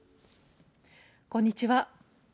こんにちは。